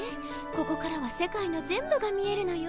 ここからは世界の全部が見えるのよ。